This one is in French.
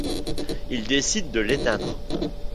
Il décide de l'éteindre.